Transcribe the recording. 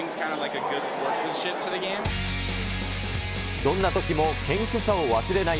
どんなときも謙虚さを忘れない